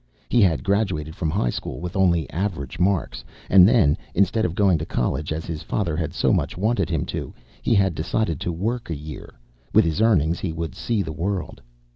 He had graduated from high school with only average marks, and then, instead of going to college, as his father had so much wanted him to, he had decided he would work a year. With his earnings, he would see the world.